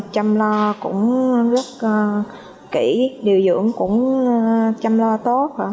chăm lo cũng rất kỹ điều dưỡng cũng chăm lo tốt